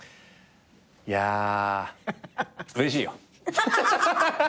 いやうれしいよ。